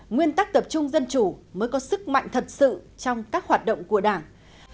nguyên tắc tập trung dân chủ mới có sức mạnh thật sự trong các hoạt động của đảng